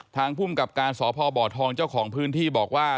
ภูมิกับการสพบทองเจ้าของพื้นที่บอกว่า